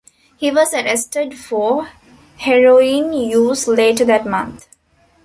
He was arrested for heroin use later that month.